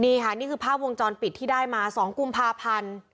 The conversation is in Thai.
นี่ค่ะนี่คือภาพวงจรปิดที่ได้มา๒กุมภาพันธ์